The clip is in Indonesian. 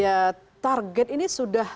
ya target ini sudah